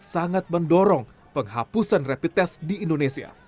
sangat mendorong penghapusan rapid test di indonesia